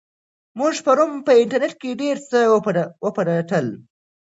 موږ پرون په انټرنیټ کې ډېر څه وپلټل.